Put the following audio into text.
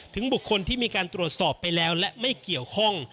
บุคคลที่มีการตรวจสอบไปแล้วและไม่เกี่ยวข้อง